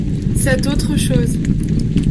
Cette autre chose.